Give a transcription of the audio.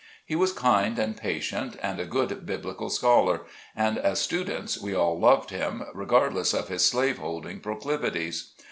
He was kind and patient, and a good biblical scholar, and as students we all loved him, regardless of his slave holding proclivities.